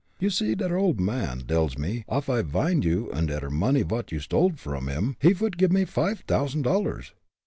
You see der old man dells me off I vind you und der money vot you stole vrom him, he vould giff me five t'ousand dollars.